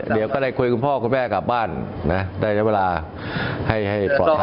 เดี๋ยวก็ได้คุยคุณพ่อคุณแม่กลับบ้านนะได้ใช้เวลาให้ปลอดภัย